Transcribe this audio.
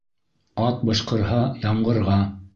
Ат бышҡырһа, ямғырға.